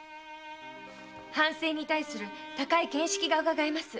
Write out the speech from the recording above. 藩政に対する高い見識が伺えます。